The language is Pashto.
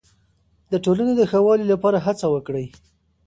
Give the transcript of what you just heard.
د ټولنې د ښه والي لپاره هڅه وکړئ.